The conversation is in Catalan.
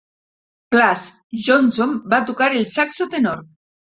Plas Johnson va tocar el saxo tenor.